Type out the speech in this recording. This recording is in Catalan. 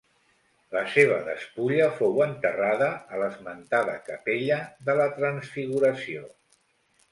La seva despulla fou enterrada a l'esmentada capella de la Transfiguració.